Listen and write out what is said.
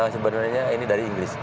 sebenarnya ini dari inggris